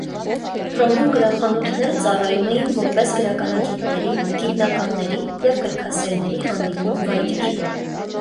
Հռոմում գրախանութները ծառայում էին որպես գրականագետների, գիտնականների և գրքասերների հանդիպման վայրեր։